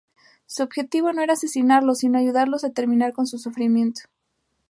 Su objetivo no era asesinarlos, sino ayudarlos a terminar con su sufrimiento.